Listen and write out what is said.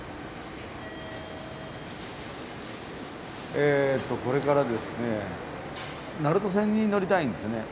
えっとこれからですね鳴門線に乗りたいんですね。